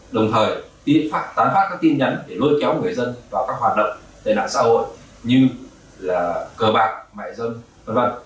đồng thời tán phát các tin nhắn để lôi kéo người dân vào các hoạt động tên ảnh xã hội như cờ bạc mại dân v v